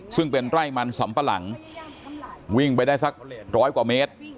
ซึ่งเป็นไร่มันสำปะหลังวิ่งไปได้สักร้อยกว่าเมตร